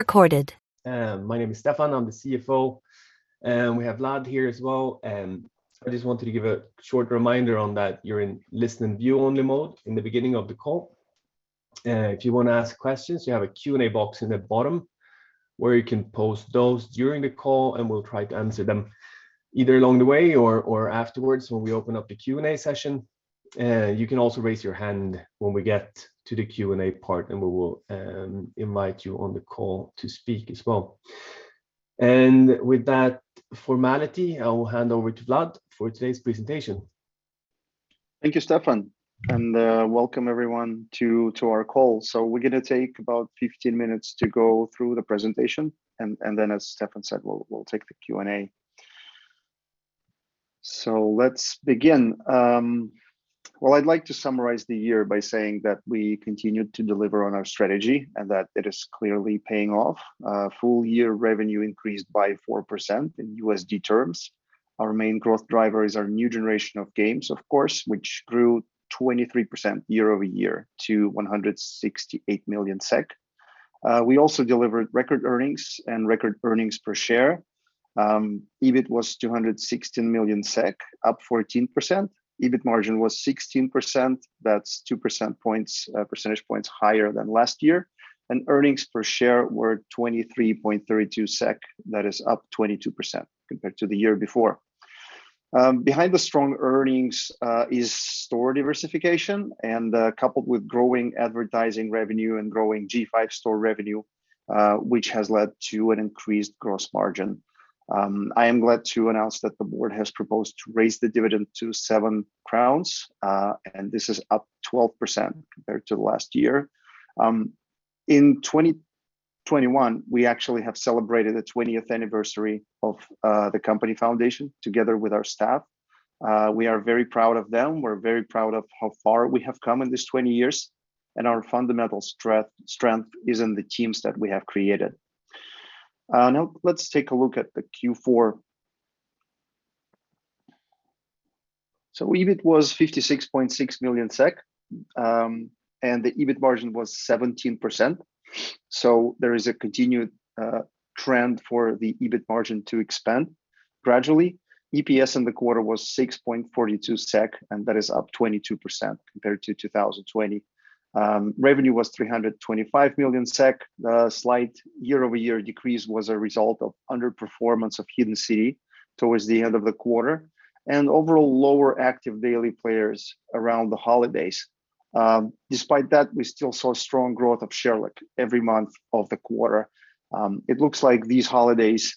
Recorded. My name is Stefan. I'm the CFO, and we have Vlad here as well. I just wanted to give a short reminder on that you're in listen-only mode in the beginning of the call. If you wanna ask questions, you have a Q&A box in the bottom where you can post those during the call, and we'll try to answer them either along the way or afterwards when we open up the Q&A session. You can also raise your hand when we get to the Q&A part, and we will invite you on the call to speak as well. With that formality, I will hand over to Vlad for today's presentation. Thank you, Stefan, and welcome everyone to our call. We're gonna take about 15 minutes to go through the presentation and then as Stefan said, we'll take the Q&A. Let's begin. Well, I'd like to summarize the year by saying that we continued to deliver on our strategy and that it is clearly paying off. Full year revenue increased by 4% in USD terms. Our main growth driver is our new generation of games, of course, which grew 23% year-over-year to 168 million SEK. We also delivered record earnings and record earnings per share. EBIT was 216 million SEK, up 14%. EBIT margin was 16%. That's 2 percentage points higher than last year. Earnings per share were 23.32 SEK. That is up 22% compared to the year before. Behind the strong earnings is store diversification and coupled with growing advertising revenue and growing G5 Store revenue, which has led to an increased gross margin. I am glad to announce that the board has proposed to raise the dividend to 7 crowns, and this is up 12% compared to last year. In 2021, we actually have celebrated the twentieth anniversary of the company foundation together with our staff. We are very proud of them. We're very proud of how far we have come in these 20 years, and our fundamental strength is in the teams that we have created. Now let's take a look at the Q4. EBIT was 56.6 million SEK, and the EBIT margin was 17%, so there is a continued trend for the EBIT margin to expand gradually. EPS in the quarter was 6.42 SEK, and that is up 22% compared to 2020. Revenue was 325 million SEK. The slight year-over-year decrease was a result of underperformance of Hidden City towards the end of the quarter and overall lower active daily players around the holidays. Despite that, we still saw strong growth of Sherlock every month of the quarter. It looks like these holidays,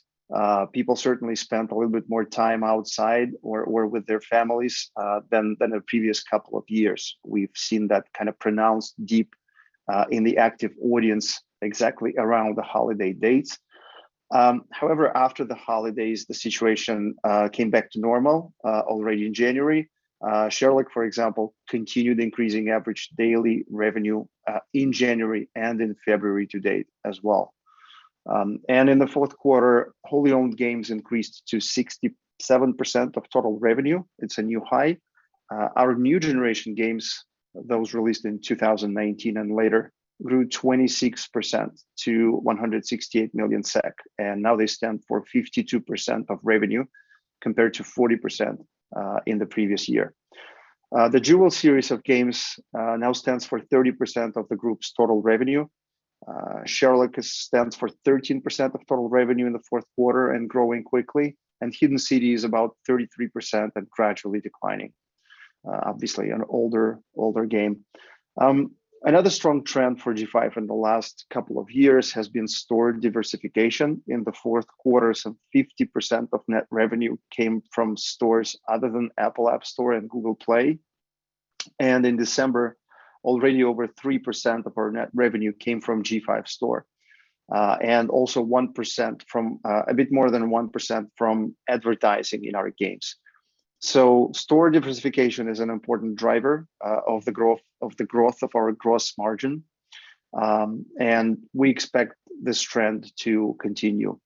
people certainly spent a little bit more time outside or with their families than the previous couple of years. We've seen that kind of pronounced dip in the active audience exactly around the holiday dates. However, after the holidays, the situation came back to normal already in January. Sherlock, for example, continued increasing average daily revenue in January and in February to date as well. In the fourth quarter, wholly-owned games increased to 67% of total revenue. It's a new high. Our new generation games, those released in 2019 and later, grew 26% to 168 million SEK, and now they stand for 52% of revenue, compared to 40% in the previous year. The Jewels series of games now stands for 30% of the group's total revenue. Sherlock stands for 13% of total revenue in the fourth quarter and growing quickly, and Hidden City is about 33% and gradually declining. Obviously an older game. Another strong trend for G5 in the last couple of years has been store diversification. In the fourth quarter, some 50% of net revenue came from stores other than Apple App Store and Google Play. In December, already over 3% of our net revenue came from G5 Store, and also a bit more than 1% from advertising in our games. Store diversification is an important driver of the growth of our gross margin, and we expect this trend to continue.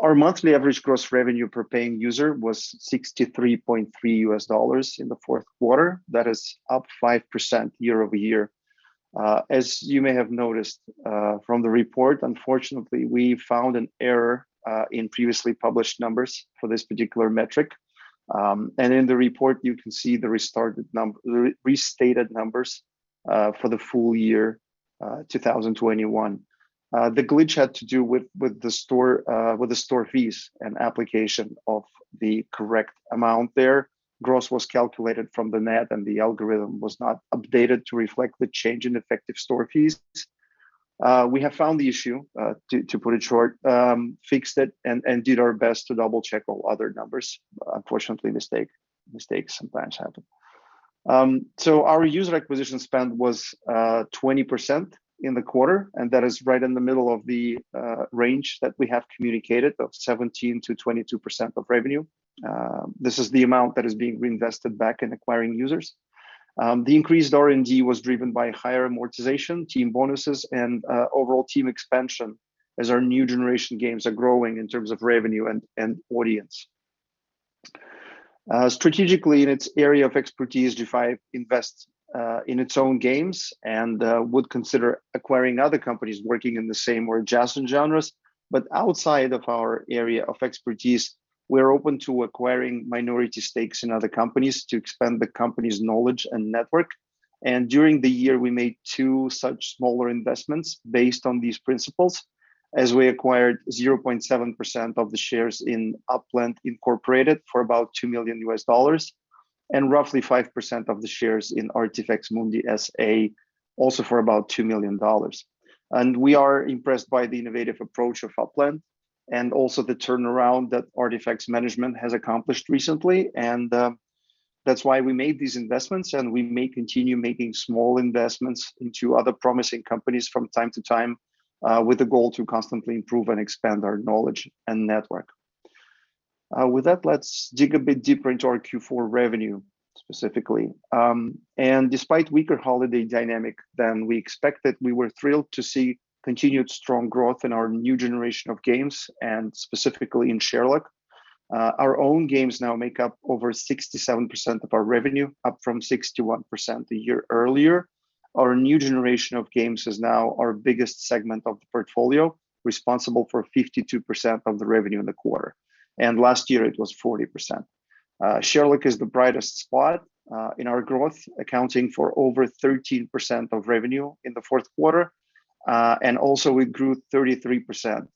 Our monthly average gross revenue per paying user was $63.3 in the fourth quarter. That is up 5% year-over-year. As you may have noticed from the report, unfortunately, we found an error in previously published numbers for this particular metric. In the report, you can see the restated numbers for the full year 2021. The glitch had to do with the store fees and application of the correct amount there. Gross was calculated from the net, and the algorithm was not updated to reflect the change in effective store fees. We have found the issue, to put it short, fixed it and did our best to double-check all other numbers. Unfortunately, mistakes sometimes happen. Our user acquisition spend was 20% in the quarter, and that is right in the middle of the range that we have communicated of 17%-22% of revenue. This is the amount that is being reinvested back in acquiring users. The increased R&D was driven by higher amortization, team bonuses, and overall team expansion as our new generation games are growing in terms of revenue and audience. Strategically in its area of expertise, G5 invests in its own games and would consider acquiring other companies working in the same or adjacent genres but outside of our area of expertise we're open to acquiring minority stakes in other companies to expand the company's knowledge and network. During the year, we made two such smaller investments based on these principles as we acquired 0.7% of the shares in Uplandme, Inc. for about $2 million and roughly 5% of the shares in Artifex Mundi S.A. also for about $2 million. We are impressed by the innovative approach of Upland and also the turnaround that Artifex Mundi management has accomplished recently, and, that's why we made these investments, and we may continue making small investments into other promising companies from time to time, with the goal to constantly improve and expand our knowledge and network. With that, let's dig a bit deeper into our Q4 revenue specifically. Despite weaker holiday dynamic than we expected, we were thrilled to see continued strong growth in our new generation of games and specifically in Sherlock. Our own games now make up over 67% of our revenue, up from 61% a year earlier. Our new generation of games is now our biggest segment of the portfolio, responsible for 52% of the revenue in the quarter. Last year it was 40%. Sherlock is the brightest spot in our growth, accounting for over 13% of revenue in the fourth quarter. Also it grew 33%,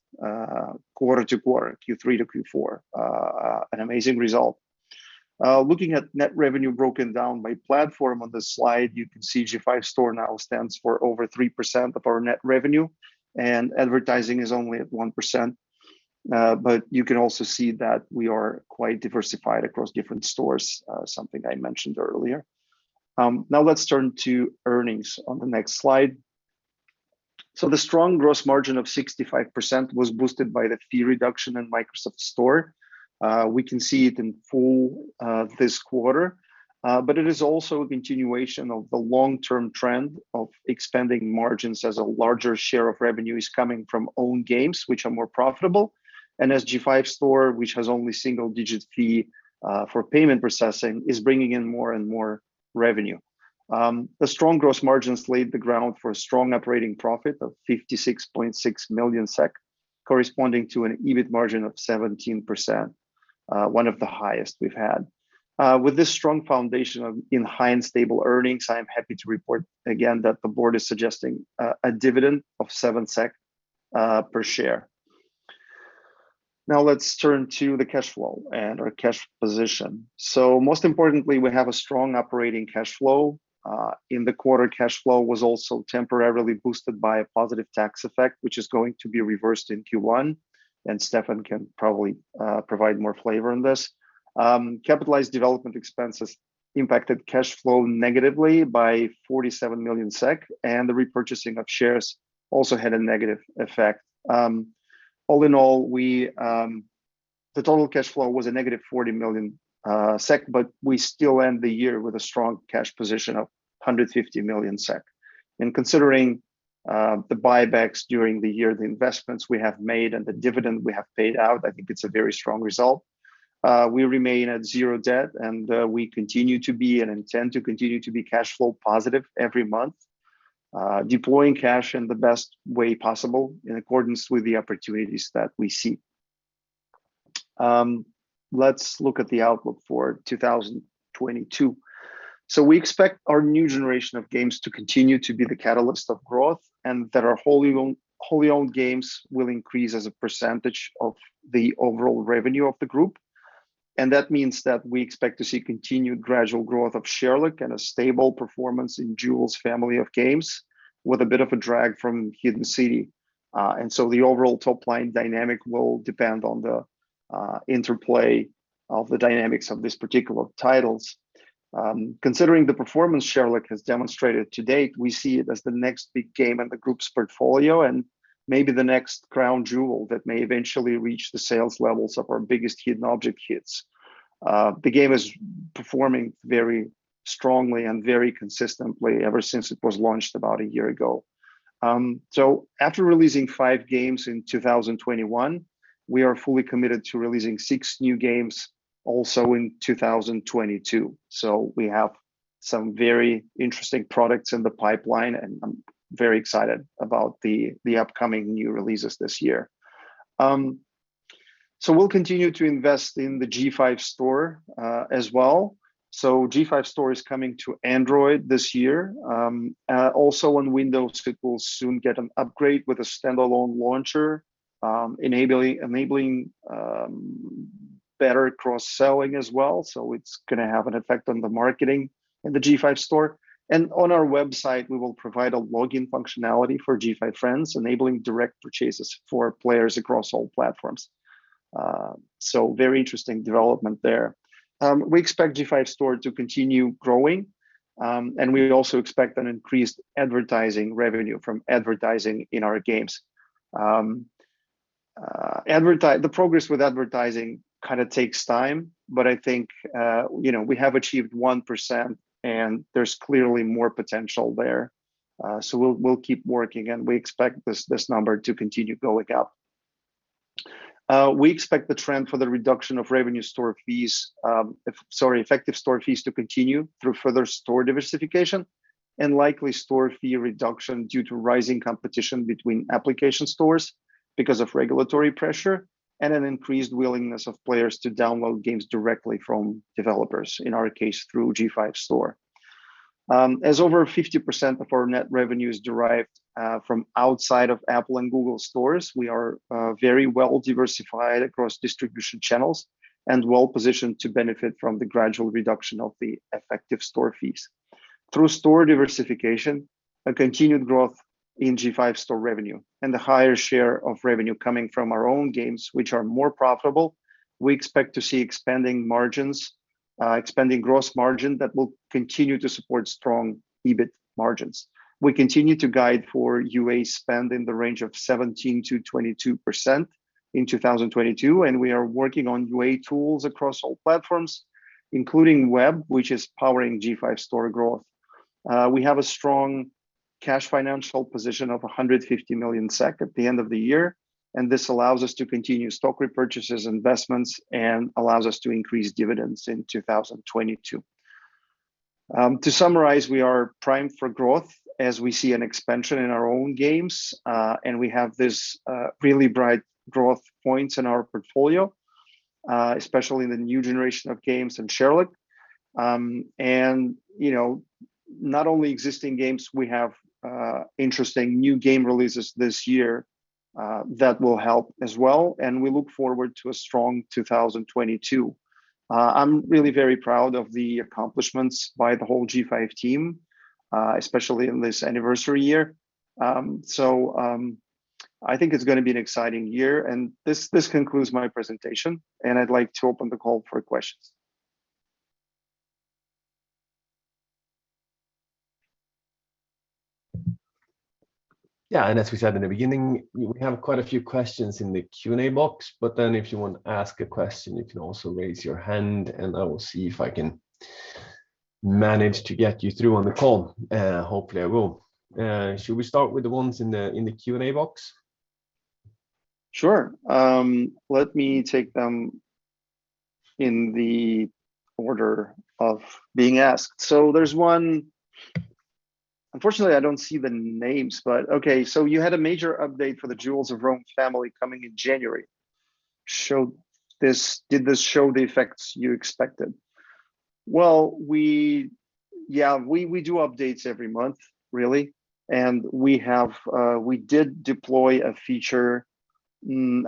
quarter to quarter, Q3 to Q4. An amazing result. Looking at net revenue broken down by platform on this slide, you can see G5 Store now stands for over 3% of our net revenue, and advertising is only at 1%. You can also see that we are quite diversified across different stores, something I mentioned earlier. Now, let's turn to earnings on the next slide. The strong gross margin of 65% was boosted by the fee reduction in Microsoft Store. We can see it in full this quarter. It is also a continuation of the long-term trend of expanding margins as a larger share of revenue is coming from own games which are more profitable. As G5 Store, which has only single-digit fee, for payment processing, is bringing in more and more revenue. The strong gross margins laid the ground for a strong operating profit of 56.6 million SEK, corresponding to an EBIT margin of 17%, one of the highest we've had. With this strong foundation of high and stable earnings, I am happy to report again that the board is suggesting a dividend of 7 SEK per share. Now let's turn to the cash flow and our cash position. Most importantly, we have a strong operating cash flow. In the quarter, cash flow was also temporarily boosted by a positive tax effect, which is going to be reversed in Q1, and Stefan can probably provide more flavor on this. Capitalized development expenses impacted cash flow negatively by 47 million SEK, and the repurchasing of shares also had a negative effect. All in all, the total cash flow was a negative 40 million SEK, but we still end the year with a strong cash position of 150 million SEK. Considering the buybacks during the year, the investments we have made, and the dividend we have paid out, I think it's a very strong result. We remain at zero debt, and we continue to be and intend to continue to be cash flow positive every month, deploying cash in the best way possible in accordance with the opportunities that we see. Let's look at the outlook for 2022. We expect our new generation of games to continue to be the catalyst of growth and that our wholly owned games will increase as a percentage of the overall revenue of the group. That means that we expect to see continued gradual growth of Sherlock and a stable performance in Jewels family of games with a bit of a drag from Hidden City. The overall top-line dynamic will depend on the interplay of the dynamics of these particular titles. Considering the performance Sherlock has demonstrated to date, we see it as the next big game in the group's portfolio and maybe the next crown jewel that may eventually reach the sales levels of our biggest hidden object hits. The game is performing very strongly and very consistently ever since it was launched about a year ago. After releasing five games in 2021, we are fully committed to releasing six new games also in 2022. We have some very interesting products in the pipeline, and I'm very excited about the upcoming new releases this year. We'll continue to invest in the G5 Store as well. G5 Store is coming to Android this year. Also on Windows, it will soon get an upgrade with a standalone launcher enabling better cross-selling as well. It's gonna have an effect on the marketing in the G5 Store. On our website, we will provide a login functionality for G5 Friends, enabling direct purchases for players across all platforms. Very interesting development there. We expect G5 Store to continue growing, and we also expect an increased advertising revenue from advertising in our games. The progress with advertising kind of takes time, but I think, you know, we have achieved 1%, and there's clearly more potential there. We'll keep working, and we expect this number to continue going up. We expect the trend for the reduction of revenue store fees, if Sorry, effective store fees to continue through further store diversification and likely store fee reduction due to rising competition between application stores because of regulatory pressure and an increased willingness of players to download games directly from developers, in our case, through G5 Store. As over 50% of our net revenue is derived from outside of Apple and Google stores, we are very well-diversified across distribution channels and well-positioned to benefit from the gradual reduction of the effective store fees. Through store diversification, a continued growth in G5 Store revenue and the higher share of revenue coming from our own games which are more profitable, we expect to see expanding margins, expanding gross margin that will continue to support strong EBIT margins. We continue to guide for UA spend in the range of 17%-22% in 2022, and we are working on UA tools across all platforms, including web, which is powering G5 Store growth. We have a strong cash financial position of 150 million SEK at the end of the year, and this allows us to continue stock repurchases, investments, and allows us to increase dividends in 2022. To summarize, we are primed for growth as we see an expansion in our own games, and we have this really bright growth points in our portfolio, especially in the new generation of games in Sherlock. You know, not only existing games, we have interesting new game releases this year that will help as well, and we look forward to a strong 2022. I'm really very proud of the accomplishments by the whole G5 team, especially in this anniversary year. I think it's gonna be an exciting year. This concludes my presentation, and I'd like to open the call for questions. Yeah. As we said in the beginning, we have quite a few questions in the Q&A box, but then if you want to ask a question, you can also raise your hand, and I will see if I can manage to get you through on the call. Hopefully I will. Should we start with the ones in the Q&A box? Sure. Let me take them in the order of being asked. There's one. Unfortunately, I don't see the names, but okay. "So you had a major update for the Jewels of Rome family coming in January. Did this show the effects you expected?" Yeah. We do updates every month, really, and we have. We did deploy a feature,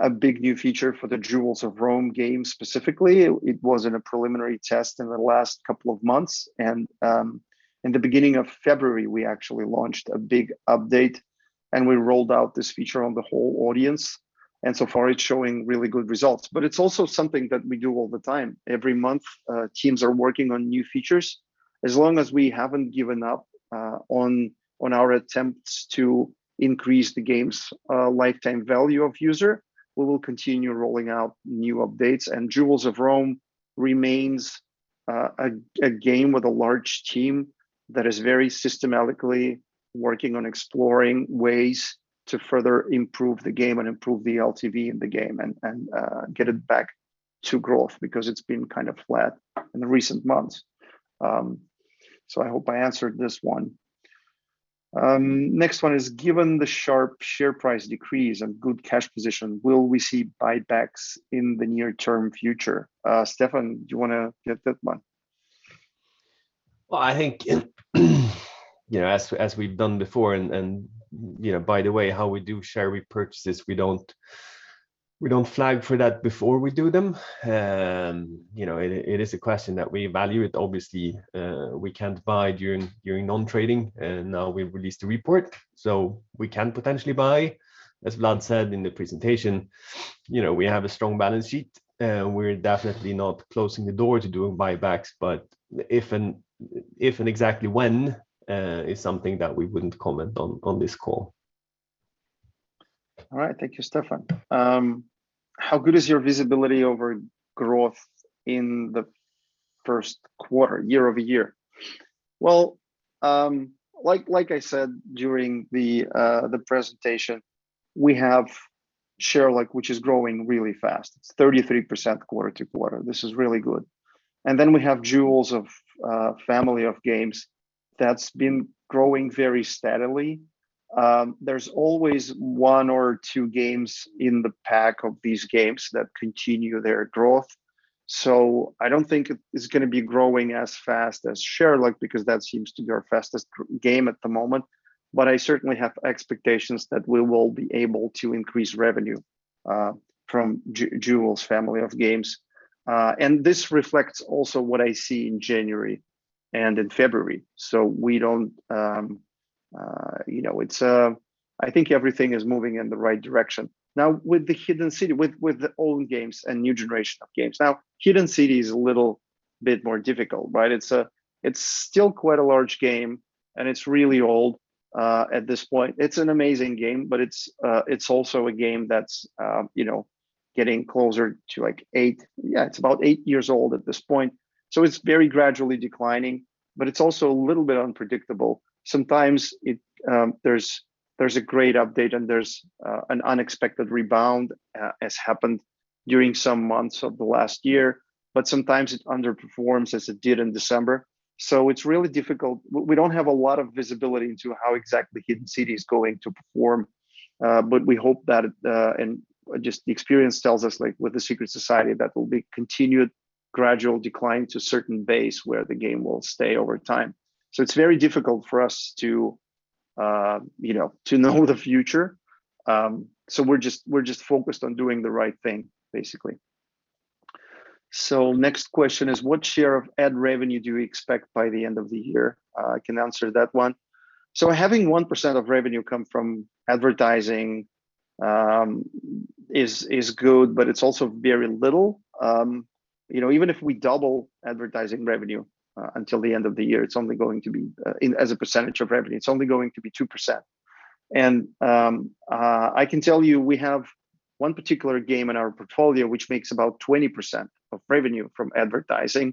a big new feature for the Jewels of Rome game specifically. It was in a preliminary test in the last couple of months and, in the beginning of February, we actually launched a big update, and we rolled out this feature on the whole audience. So far it's showing really good results, but it's also something that we do all the time. Every month, teams are working on new features. As long as we haven't given up on our attempts to increase the game's lifetime value of user, we will continue rolling out new updates. Jewels of Rome remains a game with a large team that is very systematically working on exploring ways to further improve the game and improve the LTV in the game and get it back to growth because it's been kind of flat in recent months. I hope I answered this one. Next one is, "Given the sharp share price decrease and good cash position, will we see buybacks in the near-term future?" Stefan, do you wanna get that one? Well, I think, you know, as we've done before and, you know, by the way, how we do share repurchases, we don't flag for that before we do them. You know, it is a question that we evaluate. Obviously, we can't buy during non-trading, and now we've released a report, so we can potentially buy. As Vlad said in the presentation, you know, we have a strong balance sheet, we're definitely not closing the door to doing buybacks, but if and exactly when is something that we wouldn't comment on this call. All right. Thank you, Stefan. "How good is your visibility over growth in the first quarter year-over-year?" Well, like I said during the presentation, we have Sherlock, which is growing really fast. It's 33% quarter-over-quarter. This is really good. And then we have Jewels of family of games that's been growing very steadily. There's always one or two games in the pack of these games that continue their growth, so I don't think it's gonna be growing as fast as Sherlock because that seems to be our fastest game at the moment. But I certainly have expectations that we will be able to increase revenue from Jewels family of games. And this reflects also what I see in January and in February. We don't. You know, it's. I think everything is moving in the right direction. Now, with Hidden City, with the old games and new generation of games. Now, Hidden City is a little bit more difficult, right? It's still quite a large game, and it's really old at this point. It's an amazing game, but it's also a game that's you know, getting closer to like eight, yeah, it's about eight years old at this point, so it's very gradually declining, but it's also a little bit unpredictable. Sometimes there's a great update, and there's an unexpected rebound as happened during some months of the last year, but sometimes it underperforms as it did in December. It's really difficult. We don't have a lot of visibility into how exactly Hidden City is going to perform, but we hope that and just the experience tells us like with The Secret Society, that will be continued gradual decline to a certain base where the game will stay over time. It's very difficult for us to, you know, to know the future. We're just focused on doing the right thing, basically. Next question is, "What share of ad revenue do you expect by the end of the year?" I can answer that one. Having 1% of revenue come from advertising is good, but it's also very little. You know, even if we double advertising revenue until the end of the year, it's only going to be, as a percentage of revenue, 2%. I can tell you, we have one particular game in our portfolio which makes about 20% of revenue from advertising.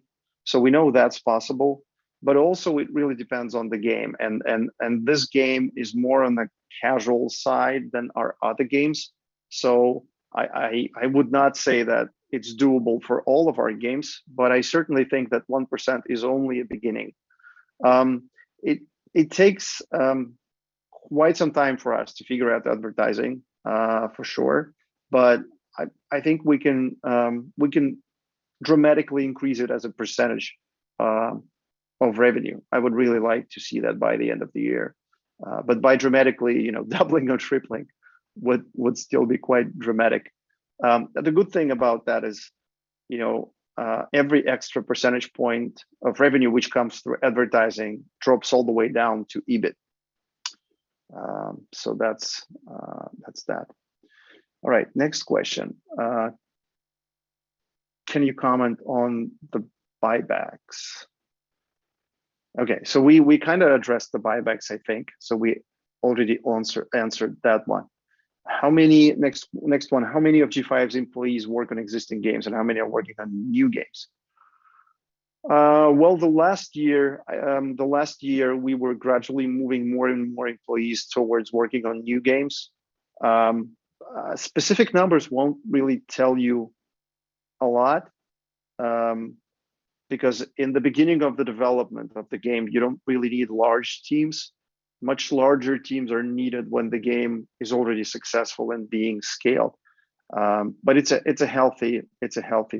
We know that's possible, but also it really depends on the game and this game is more on the casual side than our other games. I would not say that it's doable for all of our games, but I certainly think that 1% is only a beginning. It takes quite some time for us to figure out the advertising for sure. I think we can dramatically increase it as a percentage of revenue. I would really like to see that by the end of the year. By dramatically, you know, doubling or tripling would still be quite dramatic. The good thing about that is, you know, every extra percentage point of revenue which comes through advertising drops all the way down to EBIT. That's that. All right, next question. "Can you comment on the buybacks?" Okay, we kinda addressed the buybacks, I think, we already answered that one. Next one, "How many of G5's employees work on existing games, and how many are working on new games?" Well, the last year we were gradually moving more and more employees towards working on new games. Specific numbers won't really tell you a lot, because in the beginning of the development of the game, you don't really need large teams. Much larger teams are needed when the game is already successful and being scaled. But it's a healthy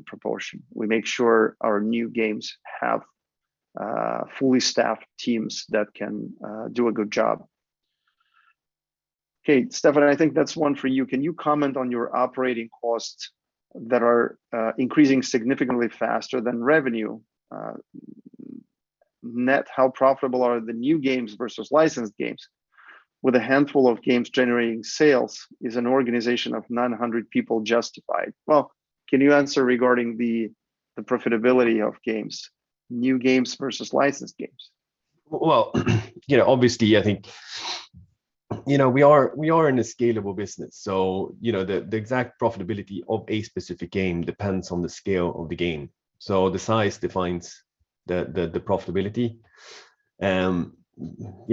proportion. We make sure our new games have fully staffed teams that can do a good job. Okay, Stefan, I think that's one for you. "Can you comment on your operating costs that are increasing significantly faster than revenue? Net how profitable are the new games versus licensed games? With a handful of games generating sales, is an organization of 900 people justified?" Well, can you answer regarding the profitability of games, new games versus licensed games? Well, you know, obviously, I think, you know, we are in a scalable business, so, you know, the exact profitability of a specific game depends on the scale of the game. The size defines the profitability. You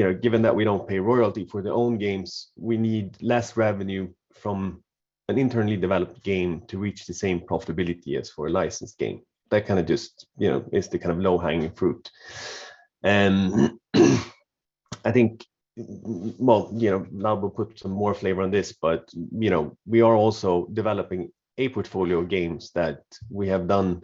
know, given that we don't pay royalty for our own games, we need less revenue from an internally developed game to reach the same profitability as for a licensed game. That kind of just, you know, is the kind of low-hanging fruit. I think, you know, Vlad will put some more flavor on this, but, you know, we are also developing a portfolio of games that we have done.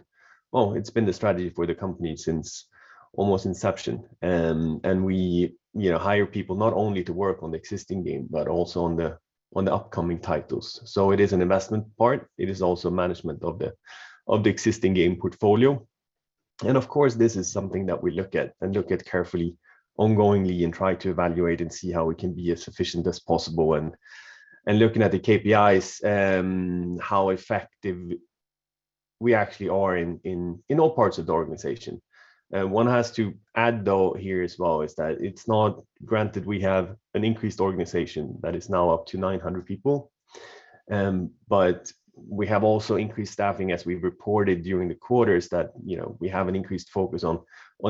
It's been the strategy for the company since almost inception, and we, you know, hire people not only to work on the existing game but also on the upcoming titles. It is an investment part. It is also management of the existing game portfolio. Of course, this is something that we look at carefully ongoingly and try to evaluate and see how we can be as efficient as possible and looking at the KPIs, how effective we actually are in all parts of the organization. One has to add, though, here as well is that it's not granted we have an increased organization that is now up to 900 people, but we have also increased staffing, as we've reported during the quarters, that we have an increased focus on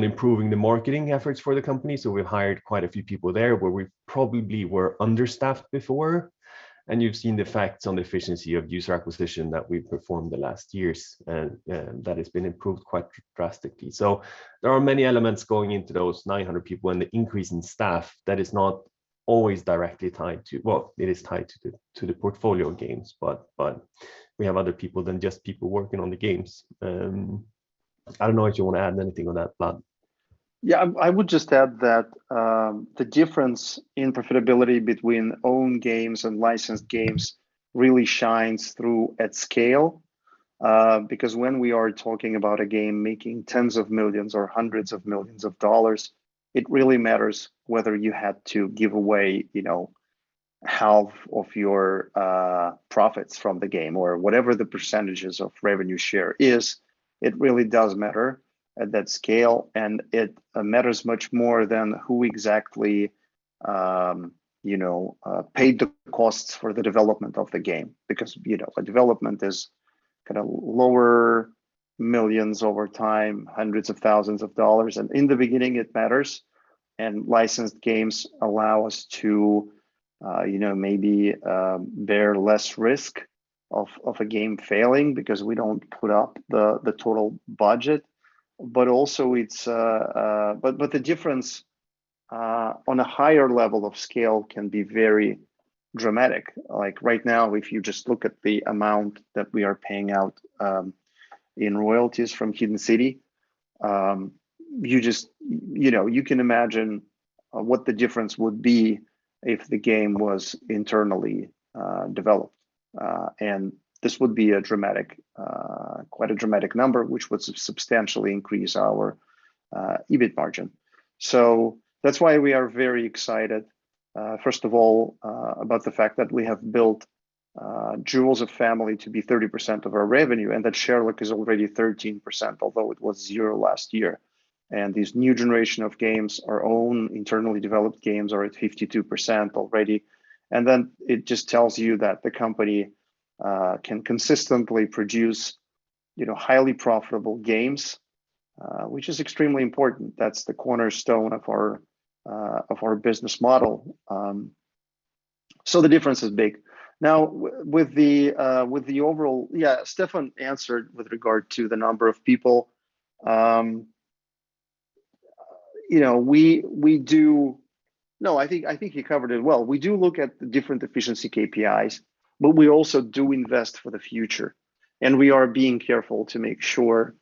improving the marketing efforts for the company, so we've hired quite a few people there where we probably were understaffed before. You've seen the effects on the efficiency of user acquisition that we've performed the last years, and that has been improved quite drastically. There are many elements going into those 900 people and the increase in staff that is not always directly tied to the portfolio games. Well, it is tied to the portfolio games, but we have other people than just people working on the games. I don't know if you wanna add anything on that, Vlad. I would just add that the difference in profitability between own games and licensed games really shines through at scale, because when we are talking about a game making tens of millions or hundreds of millions of dollars, it really matters whether you had to give away, you know, half of your profits from the game or whatever the percentages of revenue share is. It really does matter at that scale, and it matters much more than who exactly you know paid the costs for the development of the game because, you know, a development is gonna cost millions over time, hundreds of thousands of dollars. In the beginning it matters and licensed games allow us to you know maybe bear less risk of a game failing because we don't put up the total budget. The difference on a higher level of scale can be very dramatic. Like right now, if you just look at the amount that we are paying out in royalties from Hidden City, you know, you can imagine what the difference would be if the game was internally developed. This would be a dramatic number which would substantially increase our EBIT margin. That's why we are very excited, first of all, about the fact that we have built Jewels family to be 30% of our revenue, and that Sherlock is already 13%, although it was zero last year. These new generation of games are our own internally developed games at 52% already. Then it just tells you that the company can consistently produce, you know, highly profitable games, which is extremely important. That's the cornerstone of our business model. The difference is big. Yeah, Stefan answered with regard to the number of people. You know, we do. No, I think he covered it well. We do look at the different efficiency KPIs, but we also do invest for the future, and we are being careful to make sure,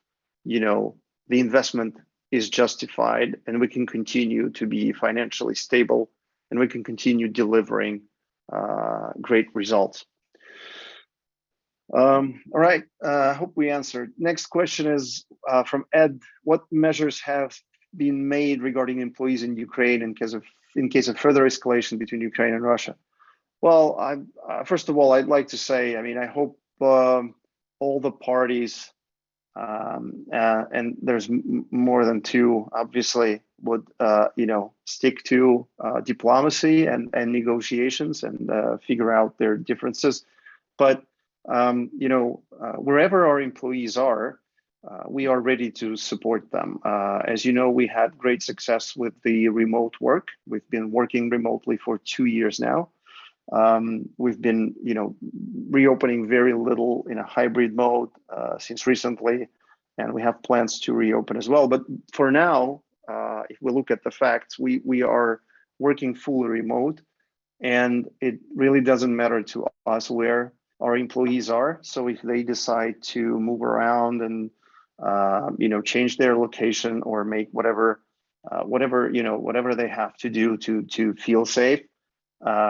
you know, the investment is justified and we can continue to be financially stable and we can continue delivering great results. All right, hope we answered. Next question is from Ed. What measures have been made regarding employees in Ukraine in case of further escalation between Ukraine and Russia? Well, first of all, I'd like to say, I mean, I hope all the parties, and there's more than two obviously, would, you know, stick to diplomacy and negotiations and figure out their differences. You know, wherever our employees are, we are ready to support them. As you know, we had great success with the remote work. We've been working remotely for two years now. We've been, you know, reopening very little in a hybrid mode since recently, and we have plans to reopen as well. For now, if we look at the facts, we are working fully remote and it really doesn't matter to us where our employees are. If they decide to move around and you know change their location or make whatever they have to do to feel safe,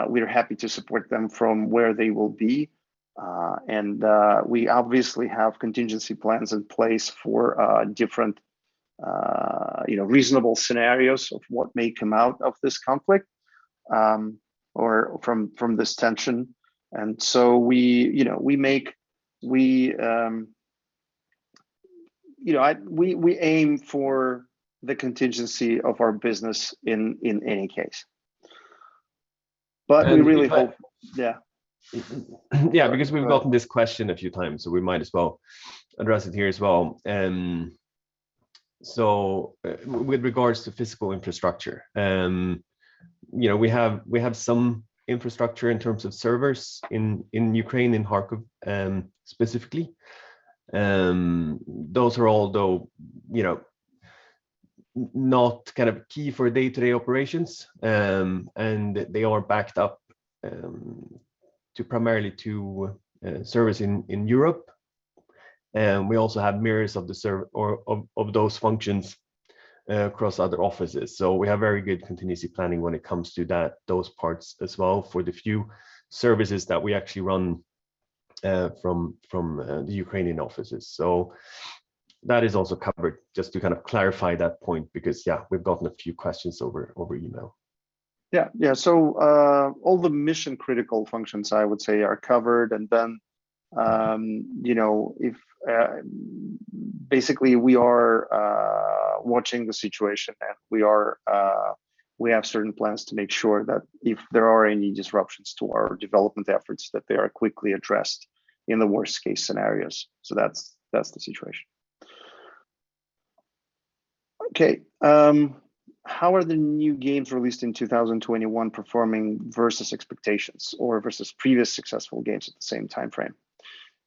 we are happy to support them from where they will be. We obviously have contingency plans in place for different you know reasonable scenarios of what may come out of this conflict or from this tension. We aim for the continuity of our business in any case. We really hope... In fact. Yeah. Yeah, because we've gotten this question a few times, so we might as well address it here as well. With regards to physical infrastructure, you know, we have some infrastructure in terms of servers in Ukraine, in Kharkiv, specifically. Those are all though, you know, not kind of key for day-to-day operations. They are backed up primarily to servers in Europe. We also have mirrors of the servers or of those functions across other offices. We have very good contingency planning when it comes to that, those parts as well for the few services that we actually run from the Ukrainian offices. That is also covered just to kind of clarify that point because we've gotten a few questions over email. Yeah. Yeah. All the mission-critical functions, I would say, are covered and then, you know, basically, we are watching the situation and we have certain plans to make sure that if there are any disruptions to our development efforts, that they are quickly addressed in the worst case scenarios. That's the situation. Okay. How are the new games released in 2021 performing versus expectations or versus previous successful games at the same timeframe?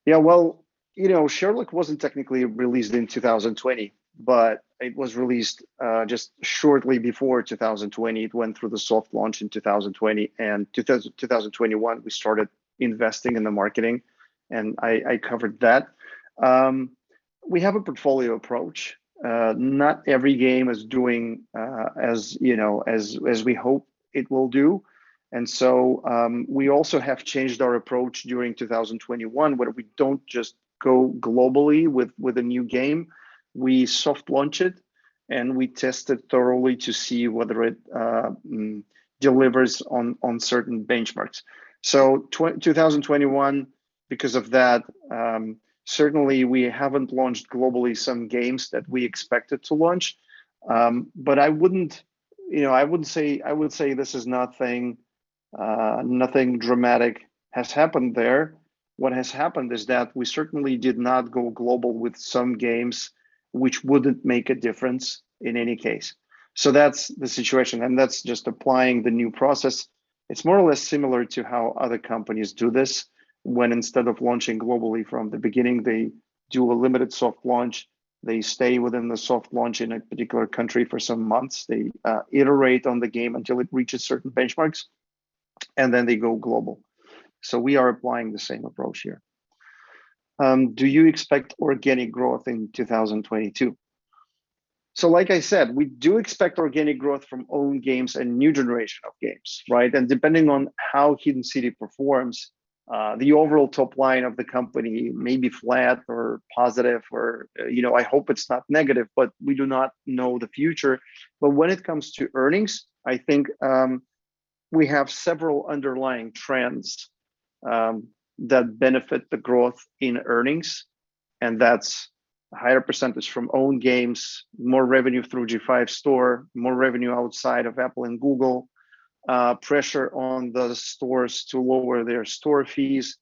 Yeah, well, you know, Sherlock wasn't technically released in 2020, but it was released just shortly before 2021. It went through the soft launch in 2020. 2020-2021, we started investing in the marketing, and I covered that. We have a portfolio approach. Not every game is doing as, you know, as we hope it will do. We also have changed our approach during 2021, where we don't just go globally with a new game. We soft launch it, and we test it thoroughly to see whether it delivers on certain benchmarks. In 2021, because of that, certainly we haven't launched globally some games that we expected to launch. I wouldn't say, you know, this is nothing. Nothing dramatic has happened there. What has happened is that we certainly did not go global with some games which wouldn't make a difference in any case. That's the situation, and that's just applying the new process. It's more or less similar to how other companies do this when instead of launching globally from the beginning, they do a limited soft launch. They stay within the soft launch in a particular country for some months. They iterate on the game until it reaches certain benchmarks, and then they go global. We are applying the same approach here. "Do you expect organic growth in 2022?" Like I said, we do expect organic growth from own games and new generation of games, right? And depending on how Hidden City performs, the overall top line of the company may be flat or positive or, you know, I hope it's not negative, but we do not know the future. When it comes to earnings, I think we have several underlying trends that benefit the growth in earnings, and that's a higher percentage from own games, more revenue through G5 Store, more revenue outside of Apple and Google, pressure on the stores to lower their store fees,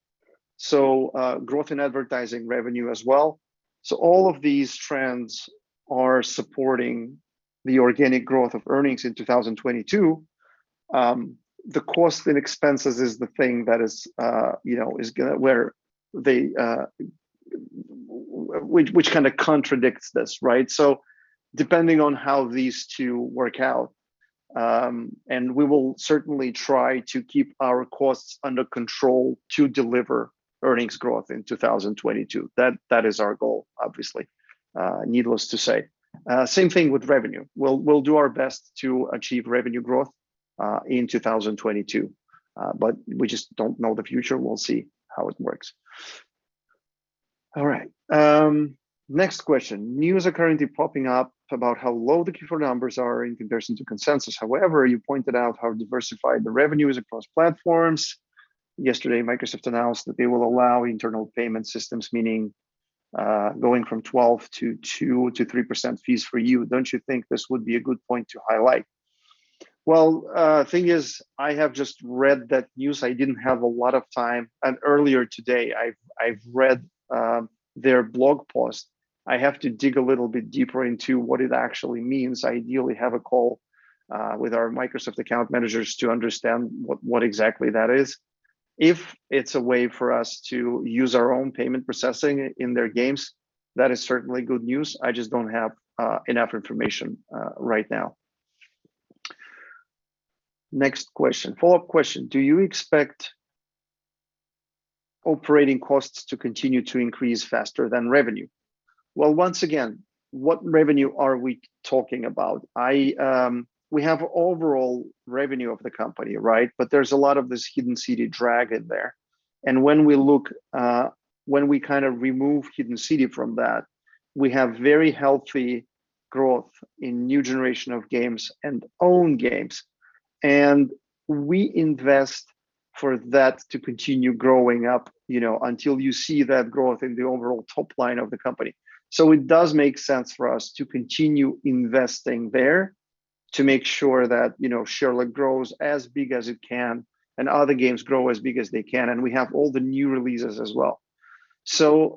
so growth in advertising revenue as well. All of these trends are supporting the organic growth of earnings in 2022. The cost and expenses is the thing that is, you know, which kind of contradicts this, right? Depending on how these two work out, and we will certainly try to keep our costs under control to deliver earnings growth in 2022. That is our goal, obviously, needless to say. Same thing with revenue. We'll do our best to achieve revenue growth in 2022, but we just don't know the future. We'll see how it works. All right. Next question. "News are currently popping up about how low the Q4 numbers are in comparison to consensus. However, you pointed out how diversified the revenue is across platforms. Yesterday, Microsoft announced that they will allow internal payment systems, meaning going from 12% to 2%-3% fees for you. Don't you think this would be a good point to highlight?" Well, thing is, I have just read that news. I didn't have a lot of time. Earlier today, I've read their blog post. I have to dig a little bit deeper into what it actually means. Ideally have a call with our Microsoft account managers to understand what exactly that is. If it's a way for us to use our own payment processing in their games, that is certainly good news. I just don't have enough information right now. Next question. Follow-up question, "Do you expect operating costs to continue to increase faster than revenue?" Well, once again, what revenue are we talking about? I, we have overall revenue of the company, right? But there's a lot of this Hidden City drag in there, and when we kind of remove Hidden City from that, we have very healthy growth in new generation of games and own games. We invest for that to continue growing up, you know, until you see that growth in the overall top line of the company. It does make sense for us to continue investing there to make sure that, you know, Sherlock grows as big as it can and other games grow as big as they can, and we have all the new releases as well.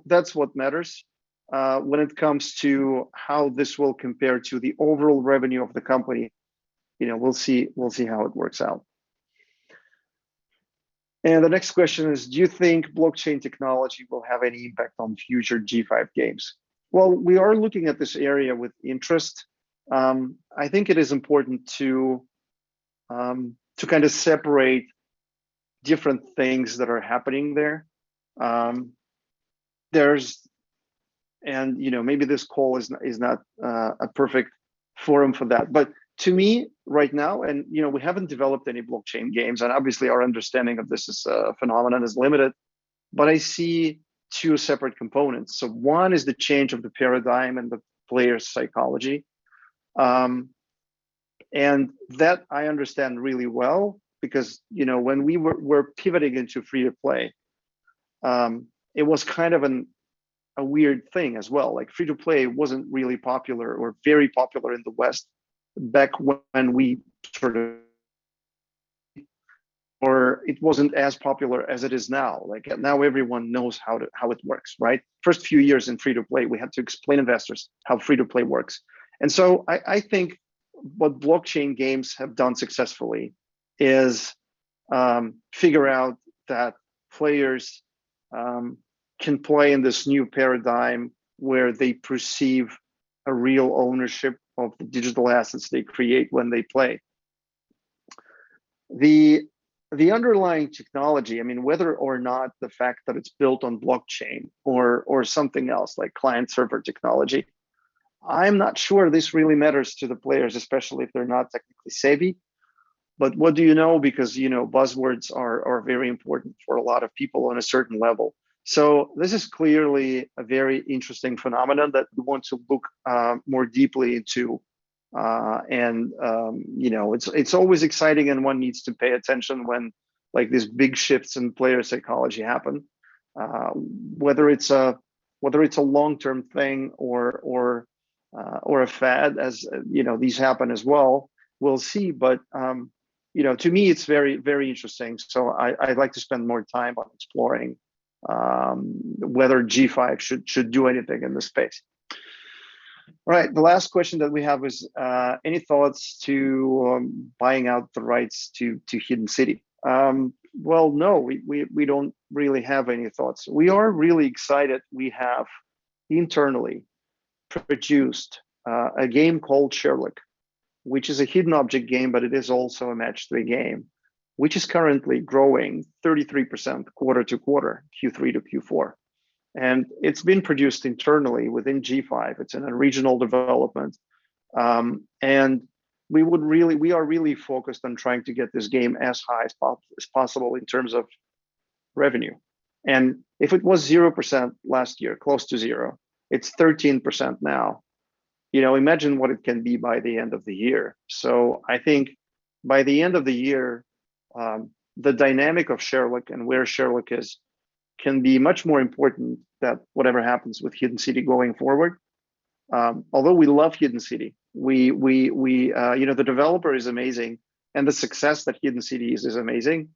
That's what matters. When it comes to how this will compare to the overall revenue of the company, you know, we'll see how it works out. The next question is, "Do you think blockchain technology will have any impact on future G5 games?" Well, we are looking at this area with interest. I think it is important to kind of separate different things that are happening there. You know, maybe this call is not a perfect forum for that. To me right now, and you know, we haven't developed any blockchain games, and obviously, our understanding of this phenomenon is limited, but I see two separate components. One is the change of the paradigm and the player's psychology. That I understand really well because, you know, when we were pivoting into free-to-play, it was kind of a weird thing as well. Like, free-to-play wasn't really popular or very popular in the West. Or it wasn't as popular as it is now. Like, now everyone knows how it works, right? First few years in free-to-play, we had to explain to investors how free-to-play works. I think what blockchain games have done successfully is figure out that players can play in this new paradigm where they perceive a real ownership of the digital assets they create when they play. The underlying technology, I mean, whether or not the fact that it's built on blockchain or something else like client-server technology, I'm not sure this really matters to the players, especially if they're not technically savvy. What do you know, because you know, buzzwords are very important for a lot of people on a certain level. This is clearly a very interesting phenomenon that we want to look more deeply into, and you know, it's always exciting and one needs to pay attention when like these big shifts in player psychology happen, whether it's a long-term thing or a fad as you know, these happen as well. We'll see. You know, to me it's very interesting. I'd like to spend more time on exploring whether G5 should do anything in this space. Right. The last question that we have is any thoughts to buying out the rights to Hidden City? Well, no, we don't really have any thoughts. We are really excited. We have internally produced a game called Sherlock, which is a hidden object game, but it is also a match-three game, which is currently growing 33% quarter to quarter, Q3 to Q4. It's been produced internally within G5. It's in a regional development. We are really focused on trying to get this game as high as possible in terms of revenue. If it was 0% last year, close to zero, it's 13% now. You know, imagine what it can be by the end of the year. I think by the end of the year, the dynamic of Sherlock and where Sherlock is can be much more important than whatever happens with Hidden City going forward, although we love Hidden City. We, you know, the developer is amazing and the success that Hidden City is amazing.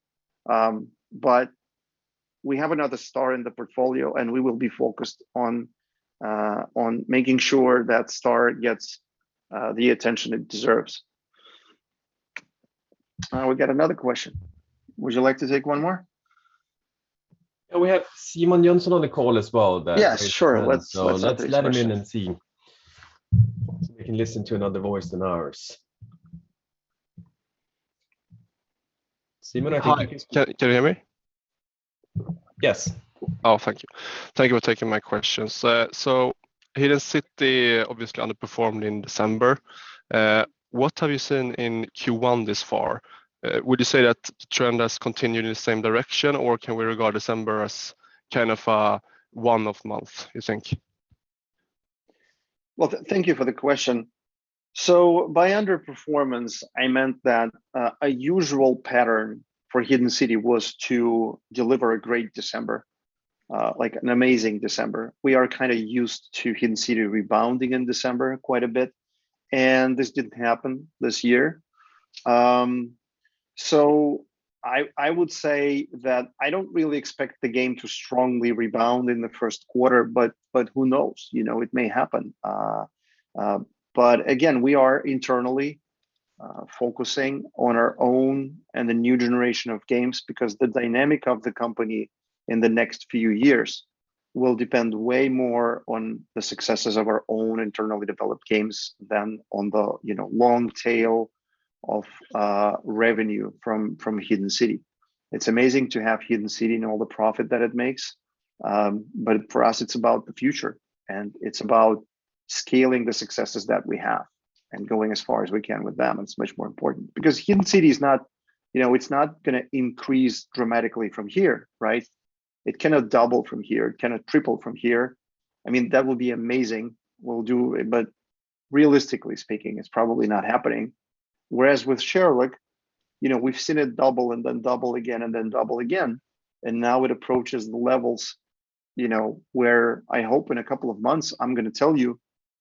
We have another star in the portfolio, and we will be focused on making sure that star gets the attention it deserves. We got another question. Would you like to take one more? Yeah. We have Simon Jönsson on the call as well that- Yeah, sure. Let's take his question. Let's let him in and see. We can listen to another voice than ours. Simon, I think you... Hi. Can you hear me? Yes. Oh, thank you. Thank you for taking my questions. Hidden City obviously underperformed in December. What have you seen in Q1 this far? Would you say that the trend has continued in the same direction, or can we regard December as kind of a one-off month, you think? Well, thank you for the question. By underperformance, I meant that usual pattern for Hidden City was to deliver a great December, like an amazing December. We are kind of used to Hidden City rebounding in December quite a bit, and this didn't happen this year. I would say that I don't really expect the game to strongly rebound in the first quarter, but who knows? You know, it may happen. Again, we are internally focusing on our own and the new generation of games because the dynamic of the company in the next few years will depend way more on the successes of our own internally developed games than on the, you know, long tail of revenue from Hidden City. It's amazing to have Hidden City and all the profit that it makes, but for us it's about the future, and it's about scaling the successes that we have and going as far as we can with them. It's much more important. Because Hidden City is not, you know, it's not gonna increase dramatically from here, right? It cannot double from here. It cannot triple from here. I mean, that would be amazing. We'll do it, but realistically speaking, it's probably not happening. Whereas with Sherlock, you know, we've seen it double and then double again and then double again, and now it approaches the levels, you know, where I hope in a couple of months I'm gonna tell you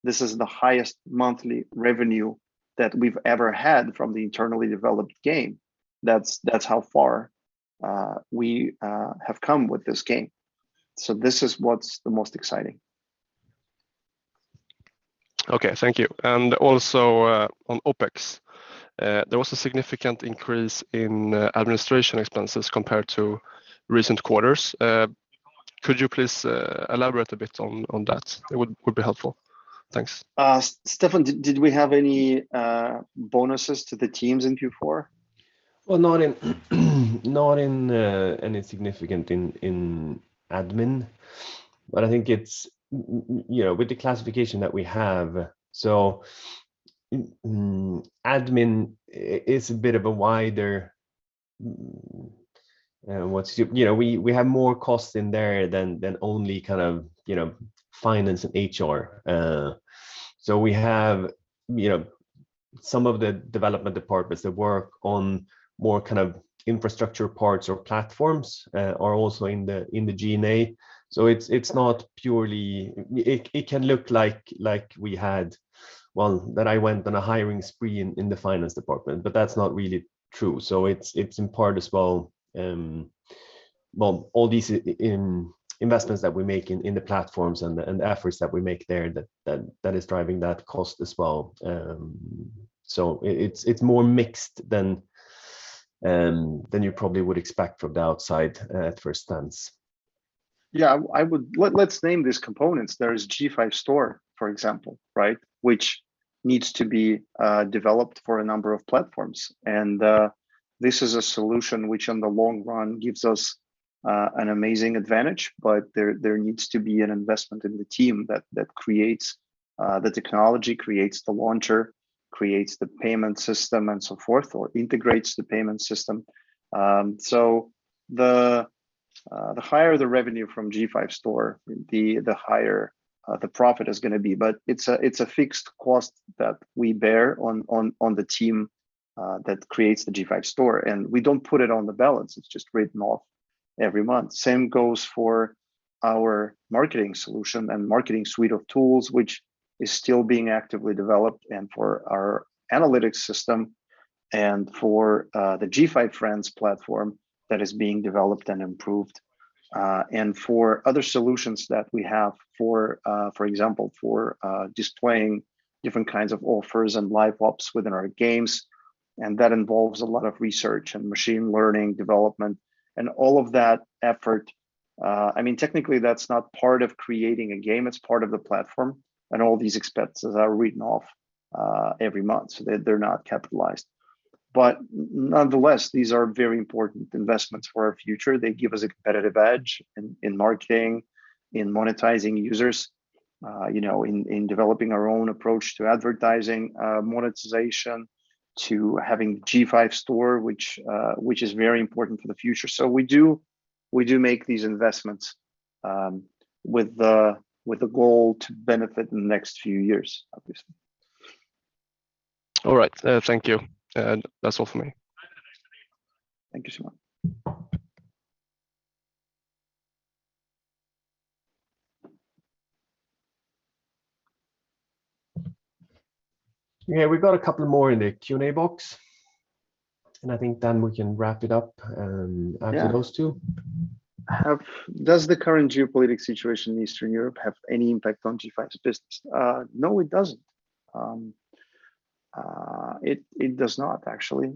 this is the highest monthly revenue that we've ever had from the internally developed game. That's how far we have come with this game. This is what's the most exciting. Okay. Thank you. Also, on OpEx, there was a significant increase in administration expenses compared to recent quarters. Could you please elaborate a bit on that? It would be helpful. Thanks. Stefan, did we have any bonuses to the teams in Q4? Well, not in any significant in admin, but I think it's you know with the classification that we have, so admin is a bit of a wider. You know, we have more costs in there than only kind of you know finance and HR. So we have you know some of the development departments that work on more kind of infrastructure parts or platforms are also in the G&A. It's not purely. It can look like we had well that I went on a hiring spree in the finance department, but that's not really true. It's in part as well well all these investments that we make in the platforms and efforts that we make there that is driving that cost as well. It's more mixed than you probably would expect from the outside at first glance. Yeah. Let's name these components. There is G5 Store, for example, right, which needs to be developed for a number of platforms. This is a solution which on the long run gives us an amazing advantage, but there needs to be an investment in the team that creates the technology, creates the launcher, creates the payment system and so forth, or integrates the payment system. The higher the revenue from G5 Store, the higher the profit is gonna be. It's a fixed cost that we bear on the team that creates the G5 Store, and we don't put it on the balance. It's just written off every month. Same goes for our marketing solution and marketing suite of tools, which is still being actively developed, and for our analytics system and for the G5 Friends platform that is being developed and improved, and for other solutions that we have for example, displaying different kinds of offers and live ops within our games. That involves a lot of research and machine learning development and all of that effort. I mean, technically that's not part of creating a game, it's part of the platform, and all these expenses are written off every month, so they're not capitalized. Nonetheless, these are very important investments for our future. They give us a competitive edge in marketing, in monetizing users, you know, in developing our own approach to advertising, monetization, to having G5 Store, which is very important for the future. We do make these investments with the goal to benefit in the next few years, obviously. All right. Thank you. That's all for me. Thank you so much. Yeah. We've got a couple more in the Q&A box, and I think then we can wrap it up. Yeah answer those two. Does the current geopolitical situation in Eastern Europe have any impact on G5's business? No, it doesn't. It does not actually.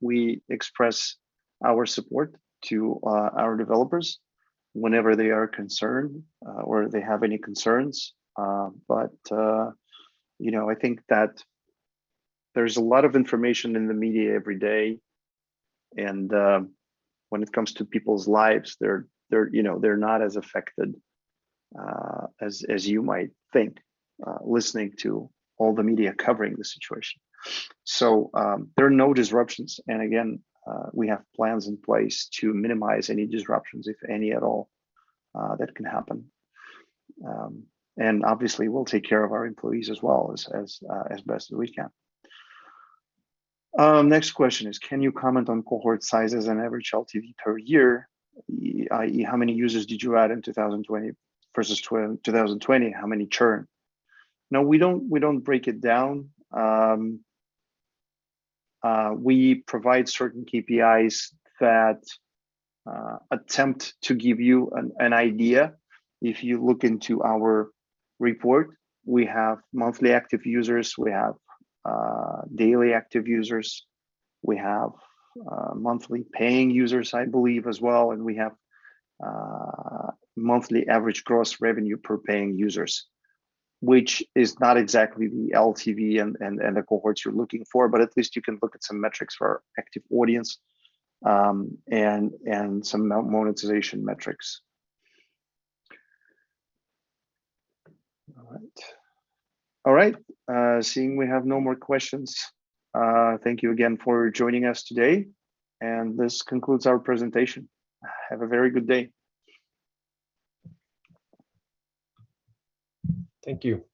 We express our support to our developers whenever they are concerned or they have any concerns. You know, I think that there's a lot of information in the media every day, and when it comes to people's lives, they're not as affected as you might think listening to all the media covering the situation. There are no disruptions. We have plans in place to minimize any disruptions, if any at all, that can happen. Obviously we'll take care of our employees as well as best as we can. Next question is, can you comment on cohort sizes and average LTV per year, i.e. how many users did you add in 2020 versus 2020? How many churn? No, we don't break it down. We provide certain KPIs that attempt to give you an idea. If you look into our report, we have monthly active users. We have daily active users. We have monthly paying users, I believe as well. We have monthly average gross revenue per paying users, which is not exactly the LTV and the cohorts you're looking for, but at least you can look at some metrics for our active audience, and some monetization metrics. All right. Seeing we have no more questions, thank you again for joining us today, and this concludes our presentation. Have a very good day. Thank you.